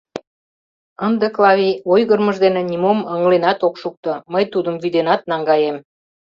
Ынде Клавий ойгырымыж дене нимом ыҥыленат ок шукто, мый тудым вӱденат наҥгаем.